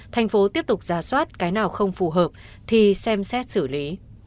thành phố tiếp tục ra soát cái nào không phù hợp thì xem xét xử lý